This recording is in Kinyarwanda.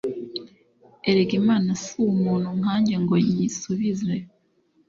erega imana si umuntu nkanjye ngo nyisubize